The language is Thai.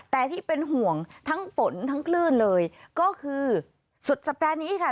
แต่ที่เป็นห่วงทั้งฝนทั้งคลื่นเลยก็คือสุดสัปดาห์นี้ค่ะ